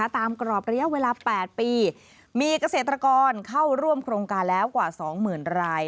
กรอบระยะเวลา๘ปีมีเกษตรกรเข้าร่วมโครงการแล้วกว่า๒๐๐๐ราย